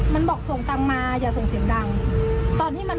มันบอกส่งตังมาอย่าส่งเสียงดัง